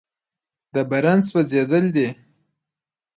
د برن سوځېدل دي.